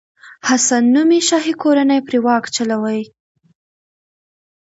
حسن نومي شاهي کورنۍ پرې واک چلوي.